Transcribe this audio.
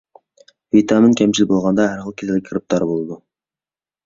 ۋىتامىن كەمچىل بولغاندا، ھەر خىل كېسەلگە گىرىپتار بولىدۇ.